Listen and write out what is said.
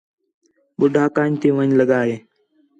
ٻُڈّھا کند تی ون٘ڄ لڳا ہے